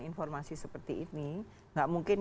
informasi seperti ini nggak mungkin